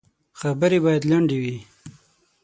خبري باید لنډي وي .